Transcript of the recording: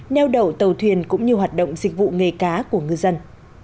neo đậu tàu thuyền cũng như hoạt động dịch vụ nghề cá của ngư dân